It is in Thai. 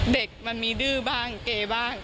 เด็กมันมีดื้อบ้างเกบ้าง